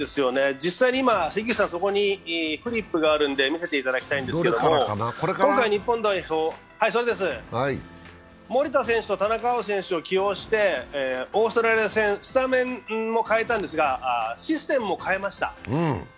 実際に、フリップを見せていただきたいんですが、本来、日本代表、守田選手と田中碧選手を起用してオーストラリア戦、スタメンも変えたんですがシステムも変えました。